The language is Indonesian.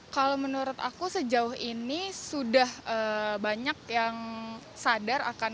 kalau menurut aku sejauh ini sudah banyak yang sadar akan